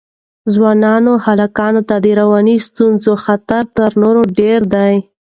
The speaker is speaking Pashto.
ځوانو هلکانو ته د رواني ستونزو خطر تر نورو ډېر دی.